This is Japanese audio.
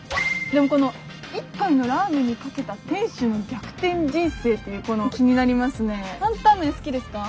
この「一杯のラーメンにかけた店主の逆転人生」っていう気になりますね。